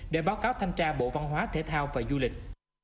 để báo cáo thanh tra bộ văn hóa thể thao và du lịch